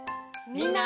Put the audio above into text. みんな！